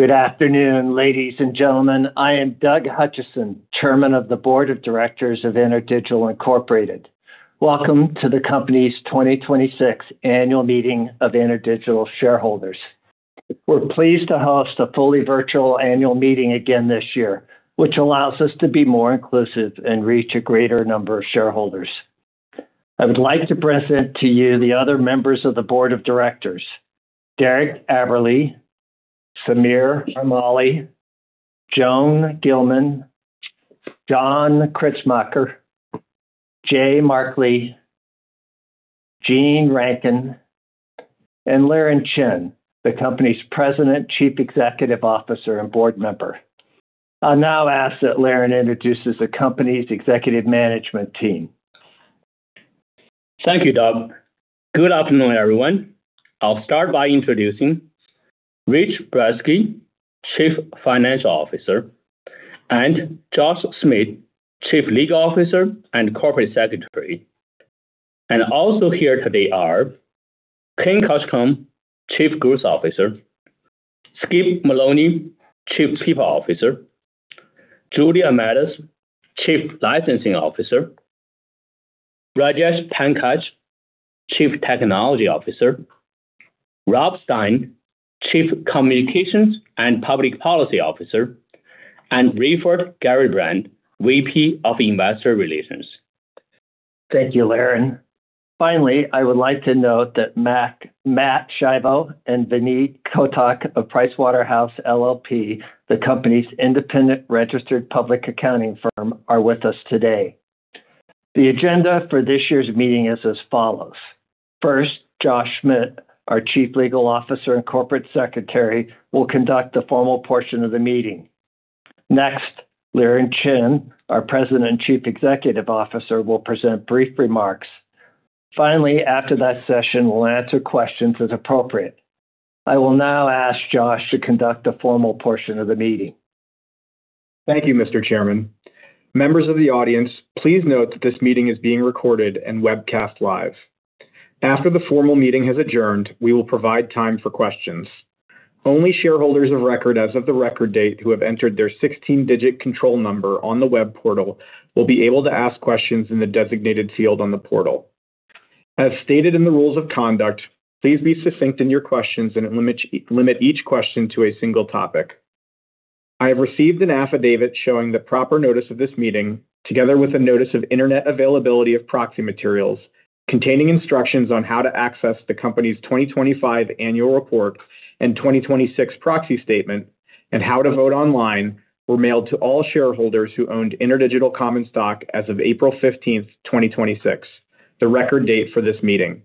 Good afternoon, ladies and gentlemen. I am Doug Hutcheson, Chairman of the Board of Directors of InterDigital Incorporated. Welcome to the company's 2026 annual meeting of InterDigital shareholders. We're pleased to host a fully virtual annual meeting again this year, which allows us to be more inclusive and reach a greater number of shareholders. I would like to present to you the other members of the Board of Directors, Derek Aberle, Samir Armaly, Joan Gillman, John Kritzmacher, Jay Markley, Jean Rankin, and Liren Chen, the company's President, Chief Executive Officer, and board member. I'll now ask that Liren introduces the company's executive management team. Thank you, Doug. Good afternoon, everyone. I'll start by introducing Rich Brezski, Chief Financial Officer, and Josh Schmidt, Chief Legal Officer and Corporate Secretary. Also here today are Ken Kaskoun, Chief Growth Officer, Skip Maloney, Chief People Officer, Julia Mattis, Chief Licensing Officer, Rajesh Pankaj, Chief Technology Officer, Rob Stien, Chief Communications and Public Policy Officer, and Raiford Garrabrant, VP of Investor Relations. Thank you, Liren. I would like to note that Matt Schiavo and Vineet Kotak of PricewaterhouseCoopers LLP, the company's independent registered public accounting firm, are with us today. The agenda for this year's meeting is as follows. Josh Schmidt, our Chief Legal Officer and Corporate Secretary, will conduct the formal portion of the meeting. Liren Chen, our President and Chief Executive Officer, will present brief remarks. After that session, we'll answer questions as appropriate. I will now ask Josh to conduct the formal portion of the meeting. Thank you, Mr. Chairman. Members of the audience, please note that this meeting is being recorded and webcast live. After the formal meeting has adjourned, we will provide time for questions. Only shareholders of record as of the record date who have entered their 16-digit control number on the web portal will be able to ask questions in the designated field on the portal. As stated in the rules of conduct, please be succinct in your questions and limit each question to a single topic. I have received an affidavit showing the proper notice of this meeting, together with a notice of internet availability of proxy materials containing instructions on how to access the company's 2025 annual report and 2026 proxy statement, and how to vote online, were mailed to all shareholders who owned InterDigital common stock as of April 15th, 2026, the record date for this meeting.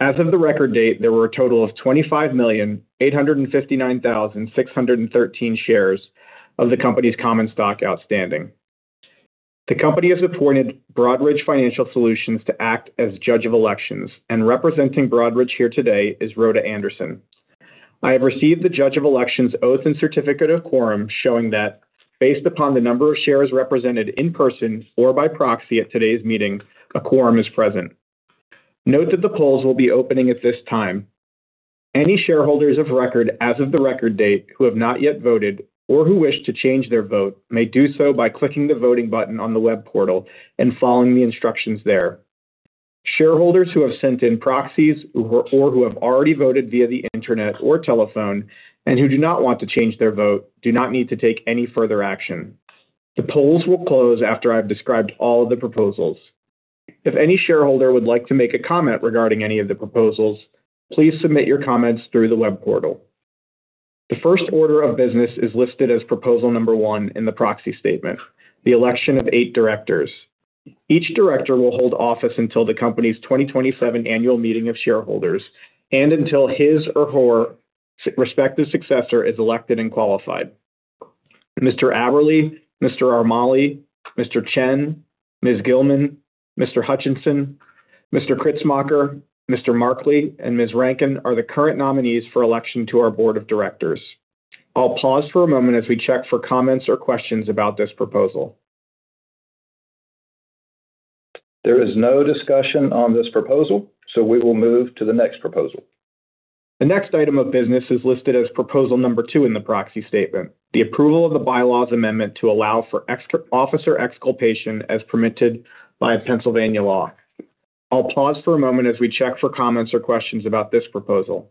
As of the record date, there were a total of 25,859,613 shares of the company's common stock outstanding. The company has appointed Broadridge Financial Solutions to act as judge of elections, and representing Broadridge here today is Rhoda Anderson. I have received the judge of elections oath and certificate of quorum showing that based upon the number of shares represented in person or by proxy at today's meeting, a quorum is present. Note that the polls will be opening at this time. Any shareholders of record as of the record date who have not yet voted or who wish to change their vote may do so by clicking the voting button on the web portal and following the instructions there. Shareholders who have sent in proxies or who have already voted via the internet or telephone and who do not want to change their vote do not need to take any further action. The polls will close after I've described all of the proposals. If any shareholder would like to make a comment regarding any of the proposals, please submit your comments through the web portal. The first order of business is listed as proposal number one in the proxy statement, the election of eight directors. Each director will hold office until the company's 2027 annual meeting of shareholders and until his or her respective successor is elected and qualified. Mr. Aberle, Mr. Armaly, Mr. Chen, Ms. Gillman, Mr. Hutcheson, Mr. Kritzmacher, Mr. Markley, and Ms. Rankin are the current nominees for election to our board of directors. I'll pause for a moment as we check for comments or questions about this proposal. There is no discussion on this proposal, we will move to the next proposal. The next item of business is listed as proposal number two in the proxy statement, the approval of the bylaws amendment to allow for officer exculpation as permitted by Pennsylvania law. I'll pause for a moment as we check for comments or questions about this proposal.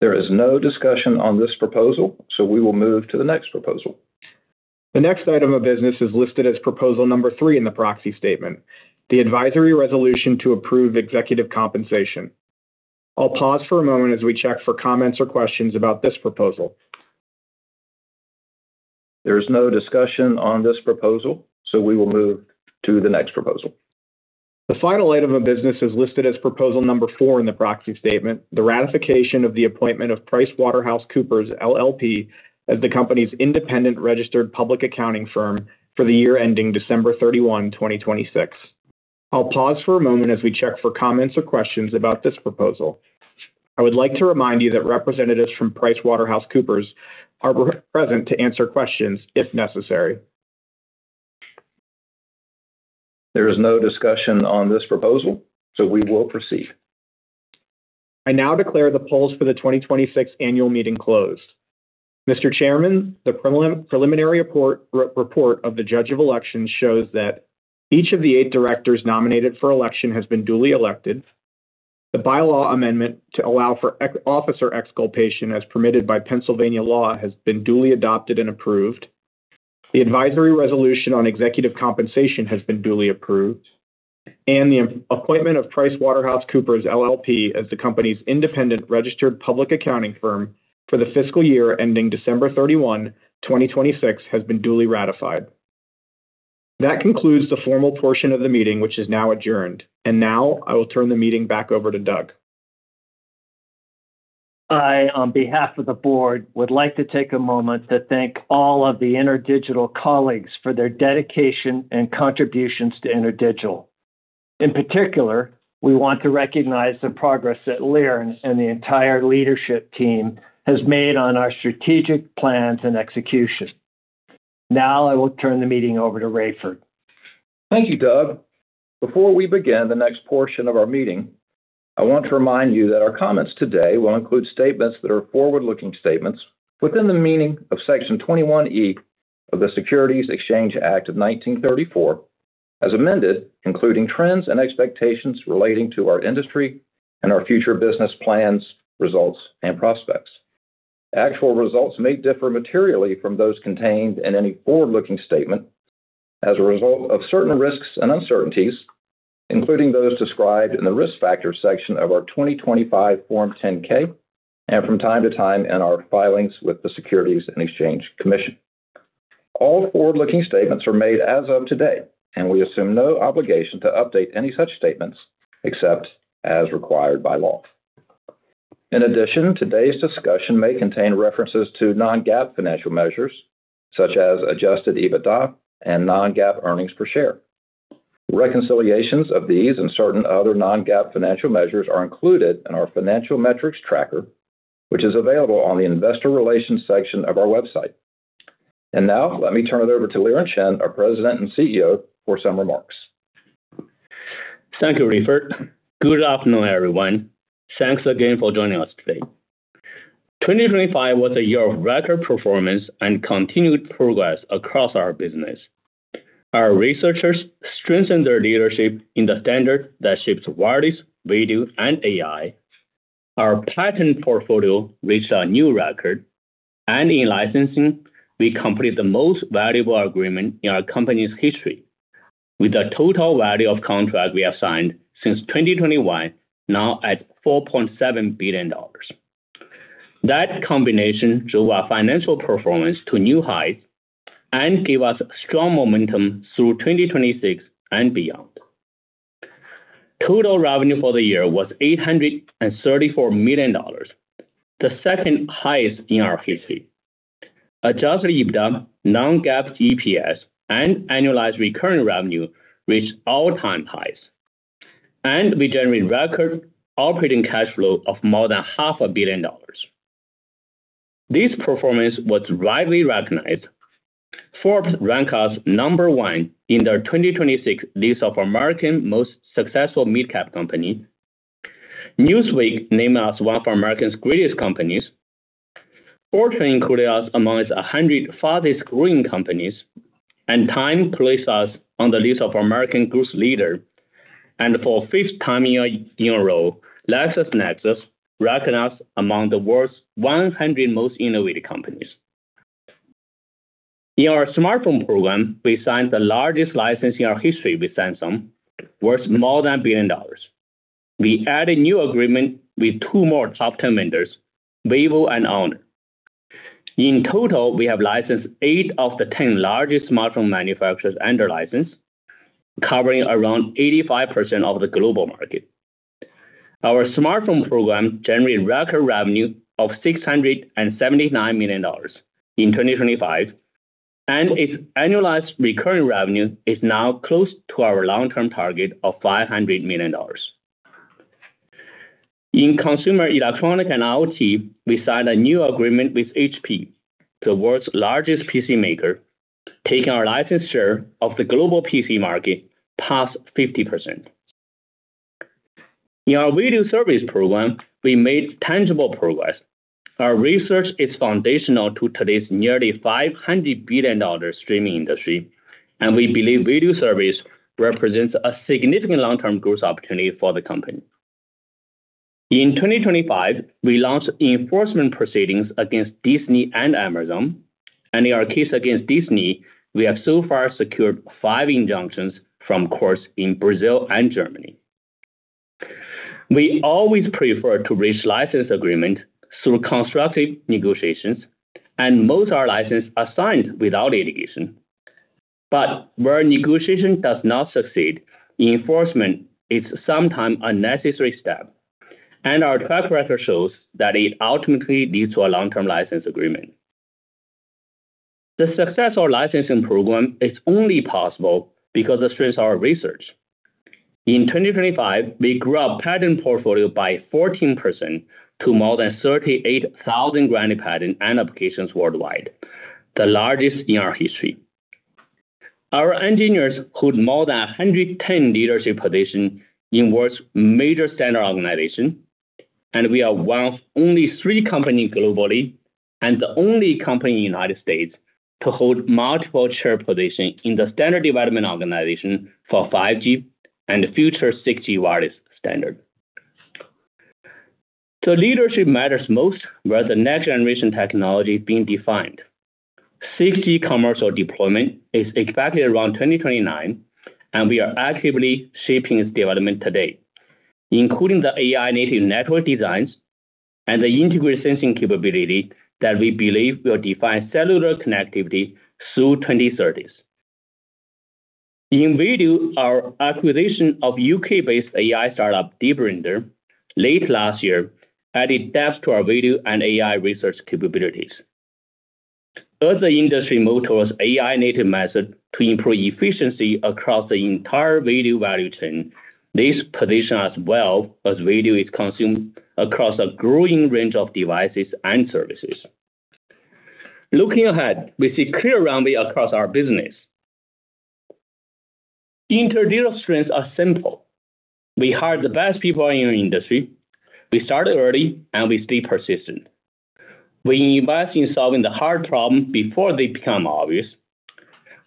There is no discussion on this proposal. We will move to the next proposal. The next item of business is listed as proposal number three in the proxy statement, the advisory resolution to approve executive compensation. I'll pause for a moment as we check for comments or questions about this proposal. There is no discussion on this proposal. We will move to the next proposal. The final item of business is listed as proposal number four in the proxy statement, the ratification of the appointment of PricewaterhouseCoopers LLP as the company's independent registered public accounting firm for the year ending December 31, 2026. I'll pause for a moment as we check for comments or questions about this proposal. I would like to remind you that representatives from PricewaterhouseCoopers are present to answer questions if necessary There is no discussion on this proposal, we will proceed. I now declare the polls for the 2026 annual meeting closed. Mr. Chairman, the preliminary report of the judge of elections shows that each of the eight directors nominated for election has been duly elected. The bylaw amendment to allow for officer exculpation as permitted by Pennsylvania law has been duly adopted and approved. The advisory resolution on executive compensation has been duly approved, the appointment of PricewaterhouseCoopers LLP as the company's independent registered public accounting firm for the fiscal year ending December 31, 2026, has been duly ratified. That concludes the formal portion of the meeting, which is now adjourned. Now I will turn the meeting back over to Doug. I, on behalf of the board, would like to take a moment to thank all of the InterDigital colleagues for their dedication and contributions to InterDigital. In particular, we want to recognize the progress that Liren and the entire leadership team has made on our strategic plans and execution. Now I will turn the meeting over to Raiford. Thank you, Doug. Before we begin the next portion of our meeting, I want to remind you that our comments today will include statements that are forward-looking statements within the meaning of Section 21E of the Securities Exchange Act of 1934, as amended, including trends and expectations relating to our industry and our future business plans, results, and prospects. Actual results may differ materially from those contained in any forward-looking statement as a result of certain risks and uncertainties, including those described in the Risk Factors section of our 2025 Form 10-K, and from time to time in our filings with the Securities and Exchange Commission. All forward-looking statements are made as of today, and we assume no obligation to update any such statements except as required by law. In addition, today's discussion may contain references to non-GAAP financial measures such as adjusted EBITDA and non-GAAP earnings per share. Reconciliations of these and certain other non-GAAP financial measures are included in our financial metrics tracker, which is available on the investor relations section of our website. Now let me turn it over to Liren Chen, our President and CEO, for some remarks. Thank you, Raiford. Good afternoon, everyone. Thanks again for joining us today. 2025 was a year of record performance and continued progress across our business. Our researchers strengthened their leadership in the standard that shapes wireless, video, and AI. Our patent portfolio reached a new record. In licensing, we completed the most valuable agreement in our company's history with a total value of contract we have signed since 2021, now at $4.7 billion. That combination drove our financial performance to new heights and gave us strong momentum through 2026 and beyond. Total revenue for the year was $834 million, the second highest in our history. Adjusted EBITDA, non-GAAP EPS, and annualized recurring revenue reached all-time highs. We generated record operating cash flow of more than $500 million. This performance was widely recognized. Forbes ranked us number one in their 2026 list of American Most Successful Midcap Company. Newsweek named us one of America's Greatest Companies. Fortune included us among its 100 Fastest Growing Companies. Time placed us on the list of American Growth Leader. For the fifth time in a row, LexisNexis ranked us among the world's 100 Most Innovative Companies. In our smartphone program, we signed the largest license in our history with Samsung, worth more than $1 billion. We added new agreement with two more top 10 vendors, Vivo and Honor. In total, we have licensed eight of the 10 largest smartphone manufacturers under license, covering around 85% of the global market. Our smartphone program generated record revenue of $679 million in 2025, and its annualized recurring revenue is now close to our long-term target of $500 million. In consumer electronics and IoT, we signed a new agreement with HP, the world's largest PC maker, taking our license share of the global PC market past 50%. In our video service program, we made tangible progress. Our research is foundational to today's nearly $500 billion streaming industry, and we believe video service represents a significant long-term growth opportunity for the company. In 2025, we launched enforcement proceedings against Disney and Amazon. In our case against Disney, we have so far secured five injunctions from courts in Brazil and Germany. We always prefer to reach license agreement through constructive negotiations, and most of our license are signed without litigation. Where negotiation does not succeed, enforcement is sometime a necessary step. Our track record shows that it ultimately leads to a long-term license agreement. The success of licensing program is only possible because of the strength of our research. In 2025, we grew our patent portfolio by 14% to more than 38,000 granted patents and applications worldwide, the largest in our history. Our engineers hold more than 110 leadership positions in world's major standards organizations. We are one of only three companies globally, and the only company in the United States, to hold multiple chair positions in the standards development organization for 5G and the future 6G wireless standards. Leadership matters most where the next-generation technology is being defined. 6G commercial deployment is expected around 2029, and we are actively shaping its development today, including the AI-native network designs and the integrated sensing capability that we believe will define cellular connectivity through 2030s. In video, our acquisition of U.K.-based AI startup, Deep Render, late last year added depth to our video and AI research capabilities. As the industry moves towards AI-native methods to improve efficiency across the entire video value chain, this positions us well as video is consumed across a growing range of devices and services. Looking ahead, we see clear runway across our business. InterDigital's strengths are simple. We hire the best people in the industry, we start early, and we stay persistent. We invest in solving the hard problems before they become obvious.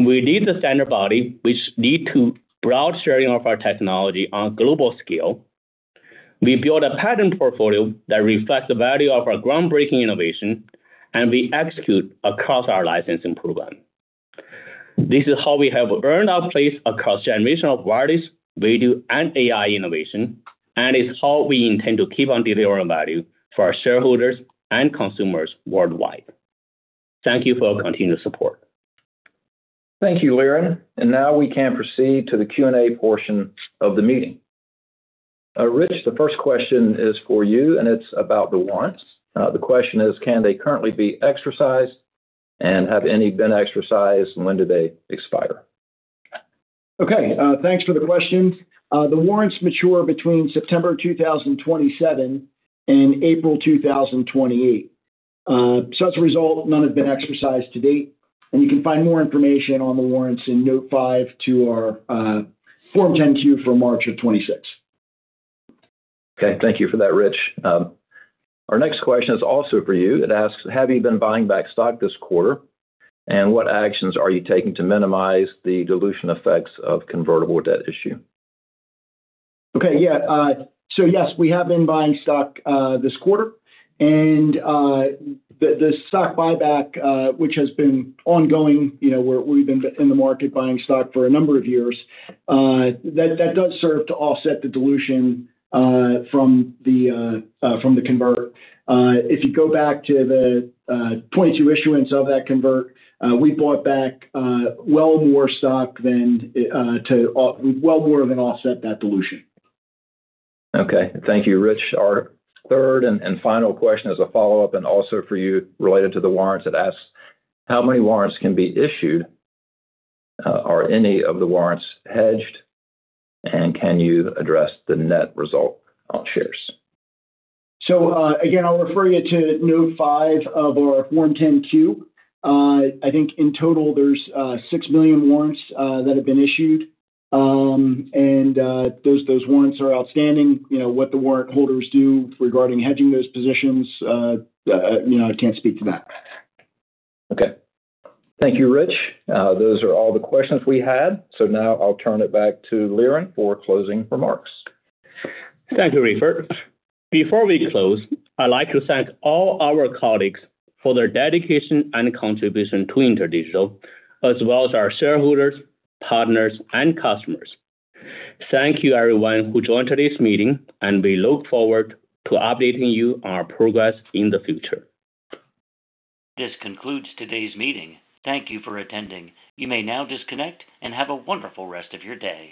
We lead the standards body, which lead to broad sharing of our technology on a global scale. We build a patent portfolio that reflects the value of our groundbreaking innovation, and we execute across our licensing program. This is how we have earned our place across generations of wireless, video, and AI innovation, and it's how we intend to keep on delivering value for our shareholders and consumers worldwide. Thank you for your continued support. Thank you, Liren. Now we can proceed to the Q&A portion of the meeting. Rich, the first question is for you, and it is about the warrants. The question is, can they currently be exercised, and have any been exercised, and when do they expire? Okay, thanks for the question. The warrants mature between September 2027 and April 2028. As a result, none have been exercised to date. You can find more information on the warrants in note five to our Form 10-Q for March of 2026. Okay. Thank you for that, Rich. Our next question is also for you. It asks, have you been buying back stock this quarter, and what actions are you taking to minimize the dilution effects of convertible debt issue? Okay. Yeah. Yes, we have been buying stock this quarter. The stock buyback, which has been ongoing, we have been in the market buying stock for a number of years. That does serve to offset the dilution from the convert. If you go back to the 2022 issuance of that convert, we bought back well more stock than well more than offset that dilution. Okay. Thank you, Rich. Our third and final question is a follow-up, also for you related to the warrants. It asks, how many warrants can be issued? Are any of the warrants hedged? Can you address the net result on shares? Again, I'll refer you to note five of our Form 10-Q. I think in total, there's 6 million warrants that have been issued. Those warrants are outstanding. What the warrant holders do regarding hedging those positions, I can't speak to that. Okay. Thank you, Rich. Those are all the questions we had. Now I'll turn it back to Liren for closing remarks. Thank you, Raiford. Before we close, I'd like to thank all our colleagues for their dedication and contribution to InterDigital, as well as our shareholders, partners, and customers. Thank you everyone who joined today's meeting. We look forward to updating you on our progress in the future. This concludes today's meeting. Thank you for attending. You may now disconnect and have a wonderful rest of your day.